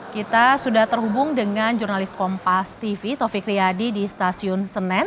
kita sudah terhubung dengan jurnalis kompas tv taufik riyadi di stasiun senen